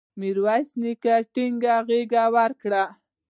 میرویس نیکه ټینګه غېږ ورکړه.